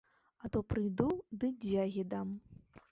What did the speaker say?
А то прыйду ды дзягі дам!